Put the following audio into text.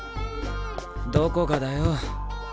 どこがだよ。